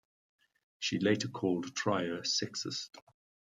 She later called Trier sexist.